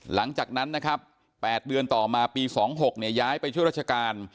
หลังจากนั้นนะครับ๘เดือนต่อมาปี๒๖ย้ายไปช่วยราชการ